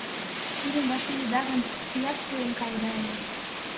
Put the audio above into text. Тудым вашлийыда гын, теат шулен каеда ыле.